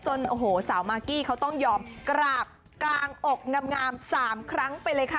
โอ้โหสาวมากกี้เขาต้องยอมกราบกลางอกงาม๓ครั้งไปเลยค่ะ